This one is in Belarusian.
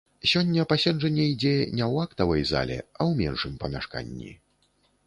Сёння паседжанне ідзе не ў актавай зале, а ў меншым памяшканні.